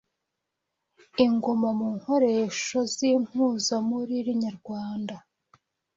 Ingoma mu nkoresho z’impuzamuriri nyarwanda